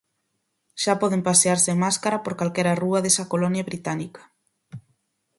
Xa poden pasear sen máscara por calquera rúa desa colonia británica.